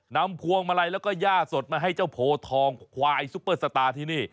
พวงมาลัยแล้วก็ย่าสดมาให้เจ้าโพทองควายซุปเปอร์สตาร์ที่นี่